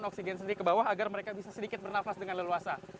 oksigen sendiri ke bawah agar mereka bisa sedikit bernafas dengan leluasa